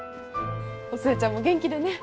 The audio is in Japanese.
お寿恵ちゃんも元気でね。